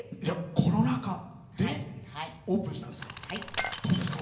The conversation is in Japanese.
コロナ禍でオープンしたんですか。